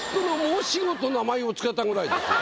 と名前を付けたぐらいですよ。